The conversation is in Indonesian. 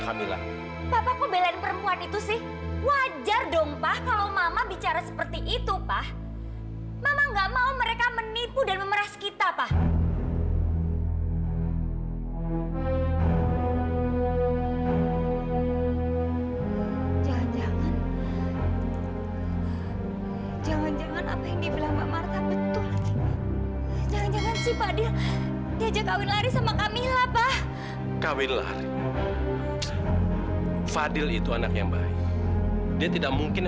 sampai jumpa di video selanjutnya